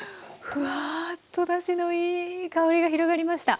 ふわっとだしのいい香りが広がりました。